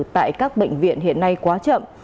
tại các bệnh viện hiện nay quá chậm